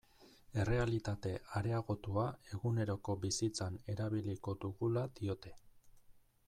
Errealitate areagotua eguneroko bizitzan erabiliko dugula diote.